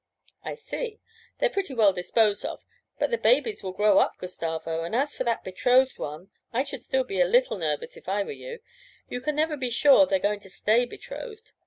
'I see they're pretty well disposed of; but the babies will grow up, Gustavo, and as for that betrothed one, I should still be a little nervous if I were you; you can never be sure they are going to stay betrothed.